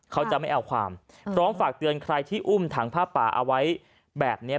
เขาจะไม่เอาความพร้อมฝากเตือนใครที่อุ้มถังผ้าป่าเอาไว้แบบเนี้ย